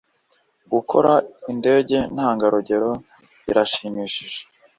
Gukora indege ntangarugero birashimishije.